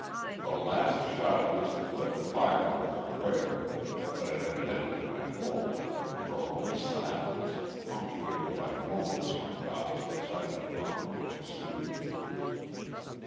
The last shot in his clip was fired with a prayer but it evidently went home, for only silence, punctuated by moans from the opposite side of the room, ensued.